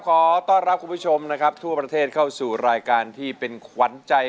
ขอต้อนรับคุณผู้ชมนะครับทั่วประเทศเข้าสู่รายการที่เป็นขวัญใจ